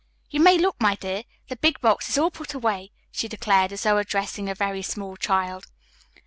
You may look, my dear, the big box is all put away," she declared, as though addressing a very small child.